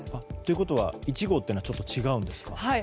ということは１号とはちょっと違うんですか。